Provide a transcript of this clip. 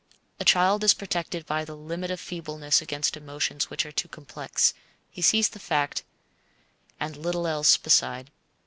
A child is protected by the limit of feebleness against emotions which are too complex. He sees the fact, and little else beside.